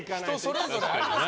人それぞれありますから。